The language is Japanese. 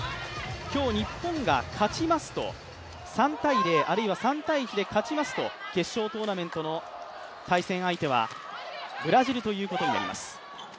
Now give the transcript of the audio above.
今日、日本が勝ちますと３−０あるいは３−１で勝ちますと決勝トーナメントの対戦相手はブラジルということになります。